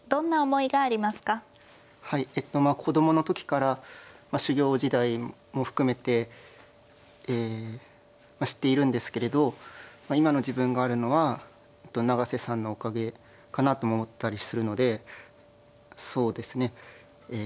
はい子供の時から修業時代も含めてえ知っているんですけれど今の自分があるのは本当に永瀬さんのおかげかなとも思ったりするのでそうですねえ